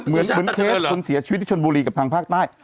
เหมือนเคสคนเสียชีวิตที่ชนบุรีกับทางภาคใต้